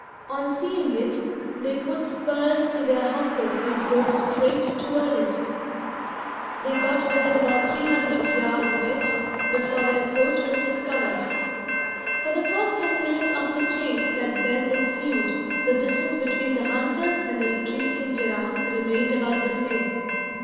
On seeing it, they put spurs to their horses and rode straight toward it. They got within about three hundred yards of it before their approach was discovered. For the first ten minutes of the chase that then ensued, the distance between the hunters and the retreating giraffe remained about the same.